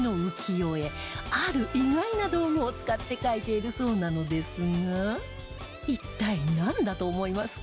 ある意外な道具を使って描いているそうなのですが一体なんだと思いますか？